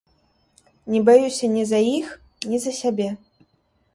Не баюся ні за іх, ні за сябе.